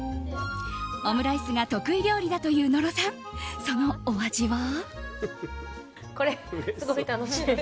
オムライスが得意料理だという野呂さん、そのお味は？